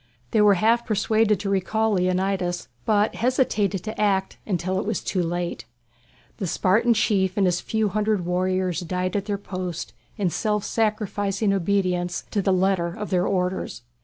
They were half persuaded to recall Leonidas, but hesitated to act until it was too late. The Spartan chief and his few hundred warriors died at their post in self sacrificing obedience to the letter of their orders.